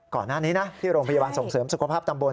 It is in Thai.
ก่อนหน้านี้นะที่โรงพยาบาลส่งเสริมสุขภาพตำบล